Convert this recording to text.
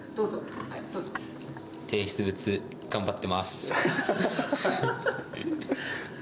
提出物、頑張ってます。